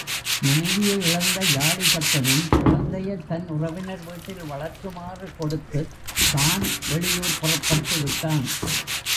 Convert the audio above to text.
மனைவியை இழந்த யாளிதத்தனும் குழந்தையைத் தன் உறவினர் வீட்டில் வளர்க்கு மாறுகொடுத்துத் தான் வெளியூர் புறப்பட்டுவிட்டான்.